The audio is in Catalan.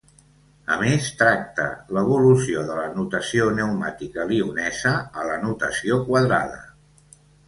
A més, tracta l'evolució de la notació neumàtica lionesa a la notació quadrada.